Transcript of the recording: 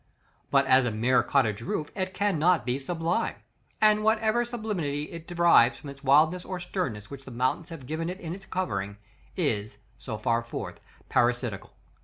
But as a mere cottage roof, it cannot be sublime, and whatever sublimity it derives from the wildness or sternness which the mountains have given it in its covering, is, so far forth, parasitical.